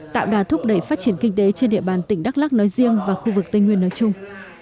tạo đà thúc đẩy phát triển kinh tế trên địa bàn tỉnh đắk lắc nói riêng và khu vực tây nguyên nói chung